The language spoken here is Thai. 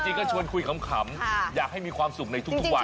ก็ชวนคุยขำอยากให้มีความสุขในทุกวัน